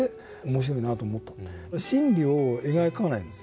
心理を描かないんですよねあんまり。